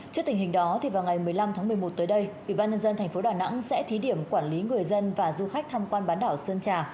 trước tình hình đó thì vào ngày một mươi năm tháng một mươi một tới đây ủy ban nhân dân thành phố đà nẵng sẽ thí điểm quản lý người dân và du khách thăm quan bán đảo sơn trà